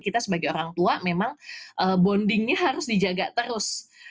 kita sebagai orang tua memang bondingnya harus dijaga terus